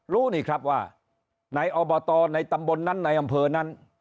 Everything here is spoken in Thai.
รู้นี่ครับว่าในอบตในตำบลนั้นในอำเภอนั้น